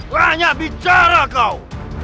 banyak bicara kau